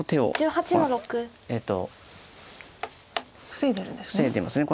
防いでるんですね。